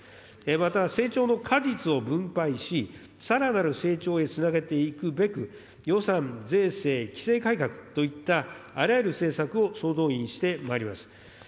また成長のかじつを分配し、さらなる成長へつなげていくべく、予算、税制、規制改革といったあらゆる政策を総動員してまいります。